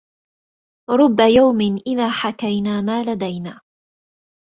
رب يومٍ إذ حكينا ما لدينا